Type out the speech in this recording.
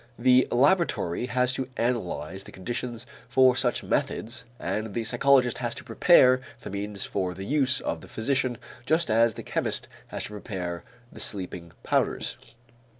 The laboratory has to analyze the conditions for such methods and the psychologist has to prepare the means for the use of the physician, just as the chemist has to prepare the sleeping powders.